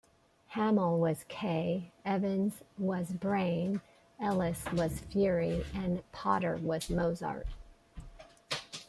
Hammill was "K", Evans was "Brain", Ellis was "Fury" and Potter was "Mozart".